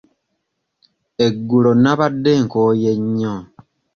Eggulo nnabadde nkooye nnyo.